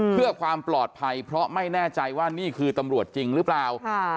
เพื่อความปลอดภัยเพราะไม่แน่ใจว่านี่คือตำรวจจริงหรือเปล่า